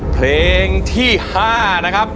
เพลงที่๕นะครับ